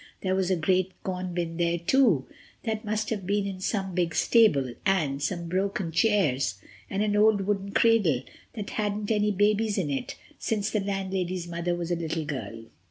There was a great corn bin there too—that must have been in some big stable—and some broken chairs and an old wooden cradle that hadn't had any babies in it since the landlady's mother was a little girl.